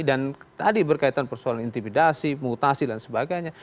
dan tadi berkaitan persoalan intimidasi mutasi dan sebagainya